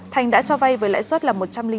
thành đã cho vay với lãi suất là một trăm linh một bốn